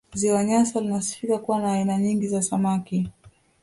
Ziwa Nyasa linasifika kuwa na aina nyingi za samaki